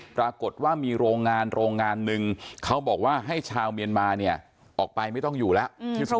ปรากฏว่ามีโรงงานโรงงานหนึ่งเขาบอกว่าให้ชาวเมียนมาเนี่ยออกไปไม่ต้องอยู่แล้ว